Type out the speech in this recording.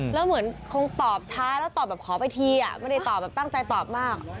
แล้วเหมือนคงตอบช้าแล้วตอบแบบขอไปทีไม่ได้ตอบแบบตั้งใจตอบมาก